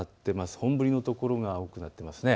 本降りの所が多くなっていますね。